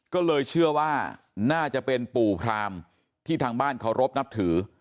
ก็เลยเชื่อว่าน่าจะเป็นปู่พรามที่ทางบ้านเคารพนับถือ